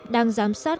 đang giám sát